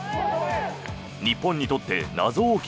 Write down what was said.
日本にとって謎多き